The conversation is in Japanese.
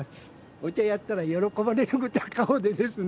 お茶やったら喜ばれるごた顔でですね